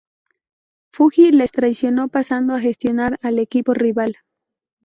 Fuji les traicionó, pasando a gestionar al equipo rival.